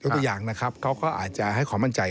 ตัวอย่างนะครับเขาก็อาจจะให้ความมั่นใจ